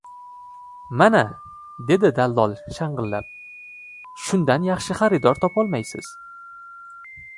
— Mana! — dedi dallol shang‘illab. — Shundan yaxshi xaridor topolmaysiz.